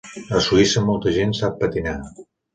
A Suïssa molta gent sap patinar.